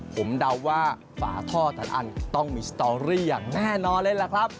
ผมเดาว่าฝาท่อแต่ละอันต้องมีสตอรี่อย่างแน่นอนเลยล่ะครับ